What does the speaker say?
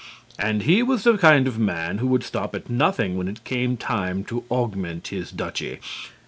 And he was the kind of man who would stop at nothing when it came time to augment his duchy.